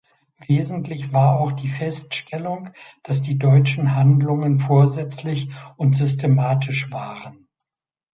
Wesentlich war auch die Feststellung, dass die deutschen Handlungen vorsätzlich und systematisch waren.